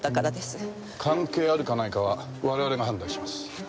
関係あるかないかは我々が判断します。